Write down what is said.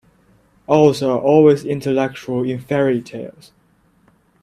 Owls are always intellectual in fairy-tales.